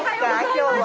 今日は。